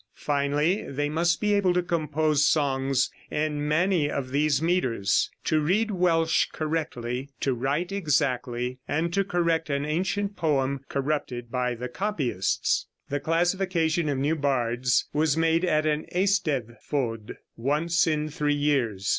Finally, they must be able to compose songs in many of these meters, to read Welsh correctly, to write exactly, and to correct an ancient poem corrupted by the copyists. The classification of new bards was made at an Eisteddfod once in three years.